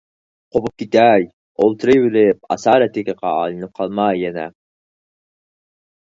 قوپۇپ كېتەي، ئولتۇرۇۋېرىپ ئاسارئەتىقىگە ئايلىنىپ قالماي يەنە.